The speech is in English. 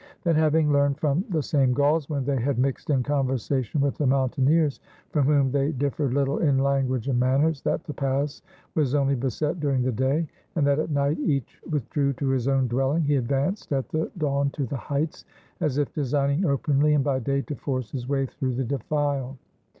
Then, having learned from the same Gauls, when they had mixed in conversation with the mountaineers, from whom they differed little in language and manners, that the pass was only beset during the day, and that at night each withdrew to his own dwelhng, he advanced at the dawn to the heights, as if designing openly and by day to force his way through the defile.